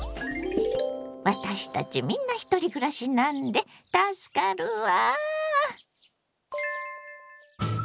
私たちみんなひとり暮らしなんで助かるわ。